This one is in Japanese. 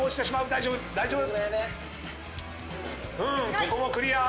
ここもクリア。